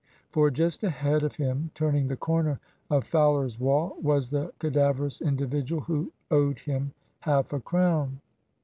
For just ahead of him, turning the corner of Fowler's Wall, was the cadaverous individual who owed him half a crown.